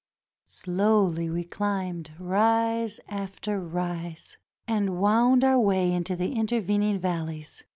Slowly we chmbed rise after rise, and wound our way into the intervening valleys.